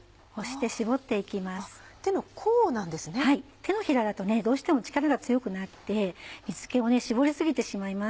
手のひらだとどうしても力が強くなって水気を搾り過ぎてしまいます。